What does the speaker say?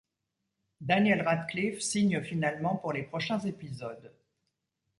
Daniel Radcliffe signe finalement pour les prochains épisodes.